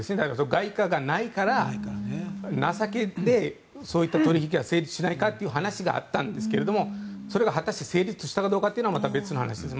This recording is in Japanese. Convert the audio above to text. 外貨がないから情けで、そういった取引が成立しないかという話があったんですがそれが果たして成立したかどうかはまた別の話です。